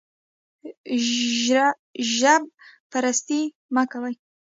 ژب پرستي مه کوئ